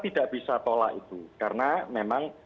tidak bisa tolak itu karena memang